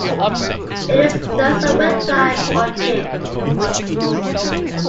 It is thus a "wet fly" or "nymph".